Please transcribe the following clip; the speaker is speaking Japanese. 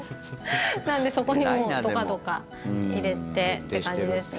なので、そこにドカドカ入れてって感じですね。